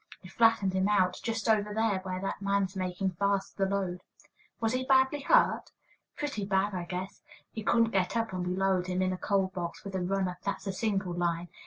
"It flattened him out, just over there where that man's making fast the load." "Was he badly hurt?" "Pretty bad, I guess. He couldn't get up, and we lowered him in a coal box with a runner; that's a single line.